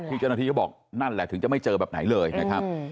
เจ้าหน้าที่ก็บอกนั่นแหละถึงจะไม่เจอแบบไหนเลยนะครับ